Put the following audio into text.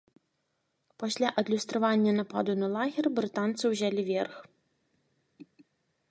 Пасля адлюстравання нападу на лагер брытанцы ўзялі верх.